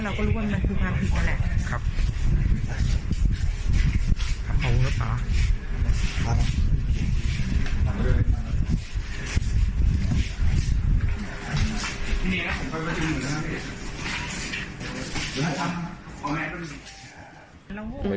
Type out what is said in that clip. เราก็รู้ว่ามันคือความผิดนั่นแหละ